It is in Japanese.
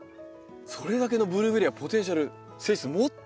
それだけのブルーベリーはポテンシャル性質を持ってると。